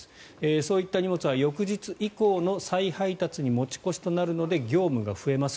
そういった荷物は翌日以降の再配達に持ち越しとなるので業務が増えます。